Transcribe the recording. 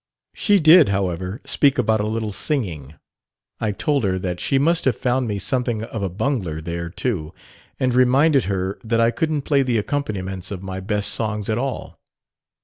She did, however, speak about a little singing. I told her that she must have found me something of a bungler there, too, and reminded her that I couldn't play the accompaniments of my best songs at all.